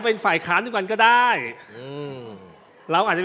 พูดอย่างนั้นไม่ได้นะครับ